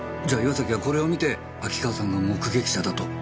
じゃ岩崎はこれを見て秋川さんが目撃者だと。